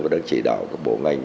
và đang chỉ đạo bộ ngành